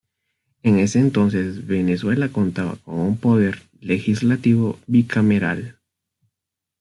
En ese entonces, Venezuela contaba con un poder legislativo bicameral.